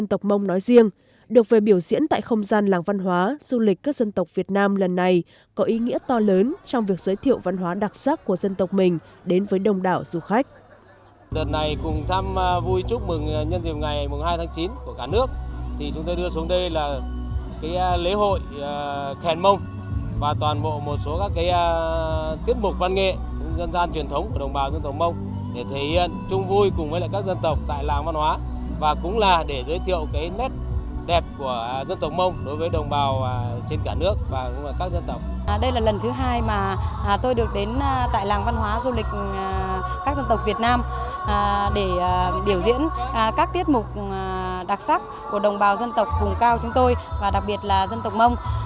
tôi được đến tại làng văn hóa du lịch các dân tộc việt nam để biểu diễn các tiết mục đặc sắc của đồng bào dân tộc vùng cao chúng tôi và đặc biệt là dân tộc mông